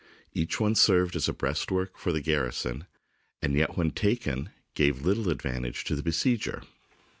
Each served as a breastwork for the garrison, and yet when taken gave little advantage to the besieger.